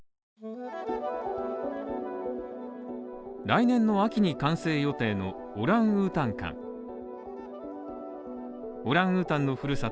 来年の秋に完成予定のオランウータン館。